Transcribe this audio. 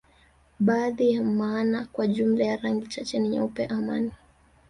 Baadhi ya maana kwa jumla ya rangi chache ni nyeupe amani